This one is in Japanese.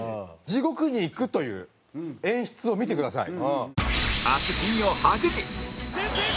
地獄に行くという演出を見てください。